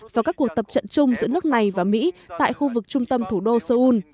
và các cuộc tập trận chung giữa nước này và mỹ tại khu vực trung tâm thủ đô seoul